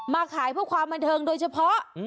ขายเพื่อความบันเทิงโดยเฉพาะ